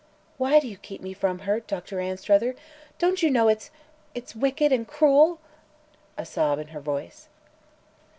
"Why do you keep me from her, Doctor Anstruther? Don't you know it's it's wicked, and cruel?" a sob in her voice.